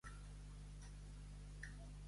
Escolteu germans amb un cagarro a les mans.